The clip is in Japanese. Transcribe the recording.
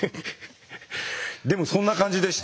でもそんな感じでした。